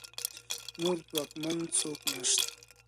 نور ځواکمن څوک نشته